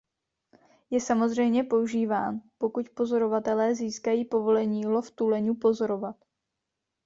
Je samozřejmě používán, pokud pozorovatelé získají povolení lov tuleňů pozorovat.